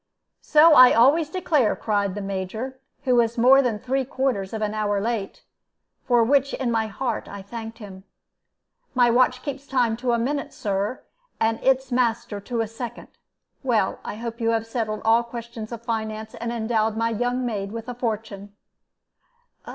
"So I always declare," cried the Major, who was more than three quarters of an hour late, for which in my heart I thanked him. "My watch keeps time to a minute, Sir, and its master to a second. Well, I hope you have settled all questions of finance, and endowed my young maid with a fortune."